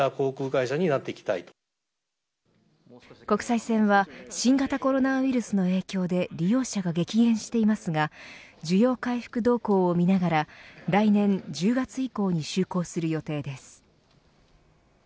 国際線は新型コロナウイルスの影響で利用者が激減していますが需要回復動向を見ながら来年１０月以降に就航する予定です。